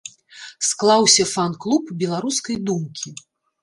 Склаўся фан-клуб беларускай думкі.